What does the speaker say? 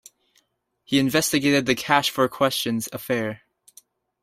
He investigated the Cash-for-questions affair.